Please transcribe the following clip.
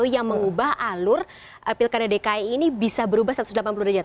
yang mengubah alur pilkada dki ini bisa berubah satu ratus delapan puluh derajat